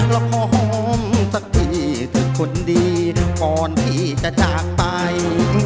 และขอหอมสักทีคนดีก่อนพี่จะจากไป